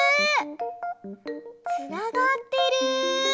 つながってる。